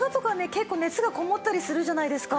結構熱がこもったりするじゃないですか。